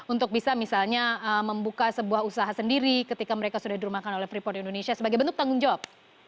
untuk bisa misalnya membuka sebuah usaha sendiri ketika mereka sudah dirumahkan oleh freeport indonesia sebagai bentuk tanggung jawab